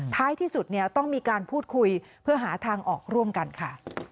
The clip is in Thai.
ท้ายที่สุดเนี่ยต้องมีการพูดคุยเพื่อหาทางออกร่วมกันค่ะ